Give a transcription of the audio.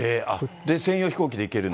専用飛行機で行けるんだ。